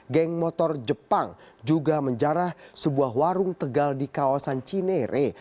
geng motor jepang juga menjarah sebuah warung tegal di kawasan cinere